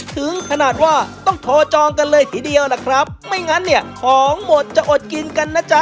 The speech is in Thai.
ถึงขนาดว่าต้องโทรจองกันเลยทีเดียวล่ะครับไม่งั้นเนี่ยของหมดจะอดกินกันนะจ๊ะ